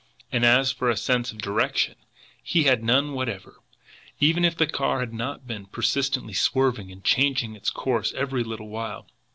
And as for a sense of direction, he had none whatever even if the car had not been persistently swerving and changing its course every little while.